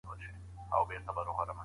چا یوه او چا بل لوري ته ځغستله